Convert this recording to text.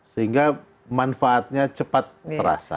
sehingga manfaatnya cepat terasa